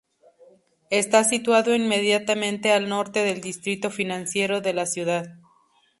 Está situado inmediatamente al norte del distrito financiero de la City.